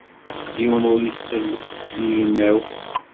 Yiwen ur issel i yinaw.